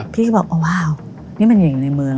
พี่ก็บอกว่าว้าวนี่มันอยู่อยู่ในเมือง